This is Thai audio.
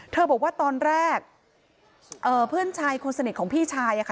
เธอบอกว่าตอนแรกเพื่อนชายคนเสน็จของพี่ชายค่ะ